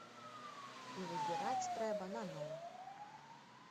І выбіраць трэба наноў.